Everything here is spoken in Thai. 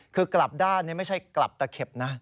คือกลับด้านนี่ไม่ใช่กลับตะเข็บนะ